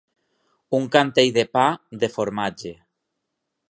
Un cantell de pa, de formatge.